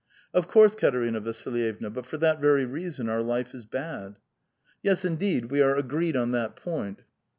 *' Of course, Katerina Vasilj'evna ; but for that very reason our life is bad." *' Yes, indeed, we are agreed on that point."